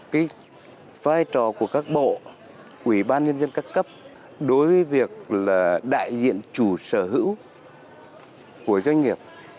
cái vai trò của các bộ quỹ ban nhân dân các cấp đối với việc là đại diện chủ sở hữu của doanh nghiệp